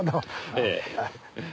ええ。